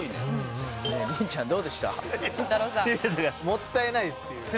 もったいないっていう。